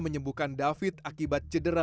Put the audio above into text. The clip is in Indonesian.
menyembuhkan david akibat cedera